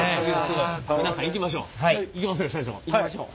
皆さんいきましょう。